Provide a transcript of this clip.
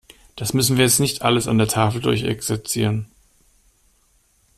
Das müssen wir jetzt nicht alles an der Tafel durchexerzieren.